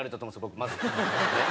僕まず。